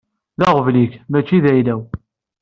D aɣbel-ik, mačči d ayla-w.